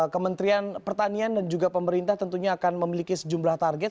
kementerian pertanian dan juga pemerintah tentunya akan memiliki sejumlah target